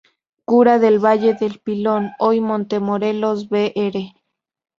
Cura del Valle del Pilón, hoy Montemorelos, Br.